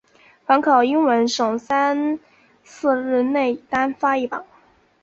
凡考英文者三四日内单发一榜。